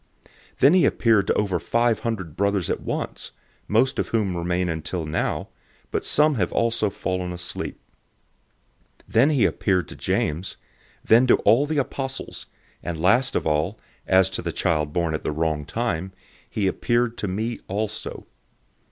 015:006 Then he appeared to over five hundred brothers at once, most of whom remain until now, but some have also fallen asleep. 015:007 Then he appeared to James, then to all the apostles, 015:008 and last of all, as to the child born at the wrong time, he appeared to me also.